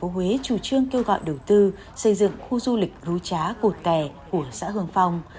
ubnd tp huế chủ trương kêu gọi đầu tư xây dựng khu du lịch rú trá cột tè của xã hương phong